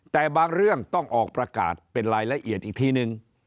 แต่บางเรื่องต้องออกประกาศเป็นรายละเอียดอีกทีนึง